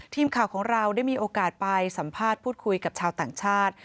ทีมข่าวของเราได้มีโอกาสไปสัมภาษณ์พูดคุยกับชาวต่างชาติ